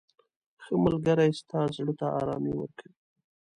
• ښه ملګری ستا زړه ته ارامي ورکوي.